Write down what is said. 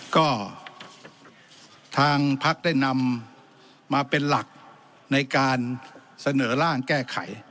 ก็ทางพักได้นำมาเป็นหลักในการเสนอร่างแก้ไข